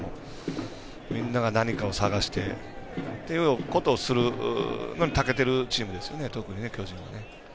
みんなが何かを探してということをするのにたけているチームですよね巨人は。